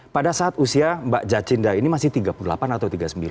pada saat usia mbak jacinda ini masih tiga puluh delapan atau tiga puluh sembilan